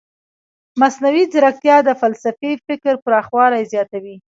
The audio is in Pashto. مصنوعي ځیرکتیا د فلسفي فکر پراخوالی زیاتوي.